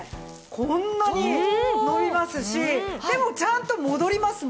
こんなに伸びますしでもちゃんと戻りますもんね。